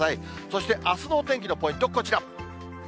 そしてあすのお天気のポイント、こちら。